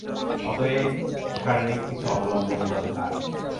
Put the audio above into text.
অতএব শারীরিক কিছু অবলম্বনের দরকার।